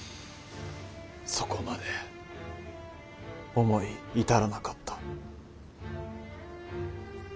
そこまで思い至らなかった。